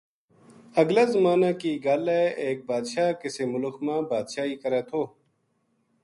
اگلا زمانا کی گل ہے ایک بادشاہ کسے ملخ ما بادشاہی کرے تھو